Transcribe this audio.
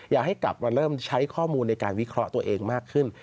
อยากให้กลับมาเริ่มใช้ข้อมูลในการวิเคราะห์ตัวเองมากขึ้น